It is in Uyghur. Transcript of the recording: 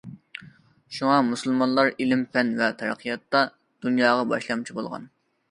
شۇڭا مۇسۇلمانلار ئىلىم- پەن ۋە تەرەققىياتتا دۇنياغا باشلامچى بولغانىدى.